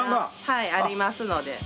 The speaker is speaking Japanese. はいありますので。